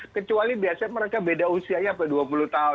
kecuali biasanya mereka beda usianya sampai dua puluh tahun